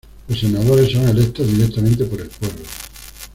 Los senadores son electos directamente por el pueblo.